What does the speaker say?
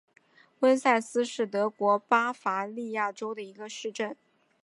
翁塞斯是德国巴伐利亚州的一个市镇。